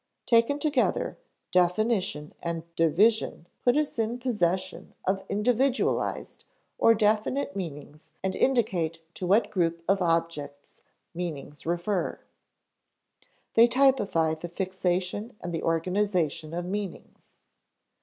Taken together, definition and division put us in possession of individualized or definite meanings and indicate to what group of objects meanings refer. They typify the fixation and the organization of meanings.